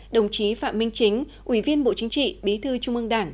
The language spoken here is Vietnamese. đồng chí phạm minh chính ủy viên bộ chính trị bí thư trung ương đảng